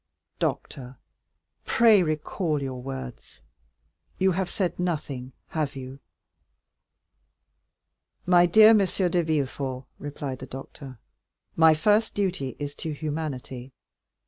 Doctor, pray recall your words; you have said nothing, have you?" "My dear M. de Villefort," replied the doctor, "my first duty is to humanity.